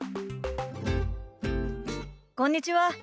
こんにちは。